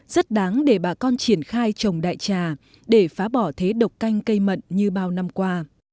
rất đáng để bà con triển khai trồng đại trà để phá bỏ thế độc canh cây mận như bao năm qua